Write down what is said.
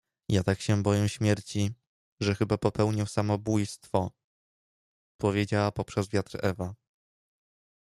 — Ja tak się boję śmierci, że chyba popełnię samobój stwo — powiedziała poprzez wiatr Ewa.